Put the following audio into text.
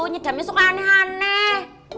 nidamnya suka aneh aneh